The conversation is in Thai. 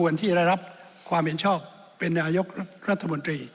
สมควรที่ระรับความเห็นชอบเป็นนายกรัฐบนตรี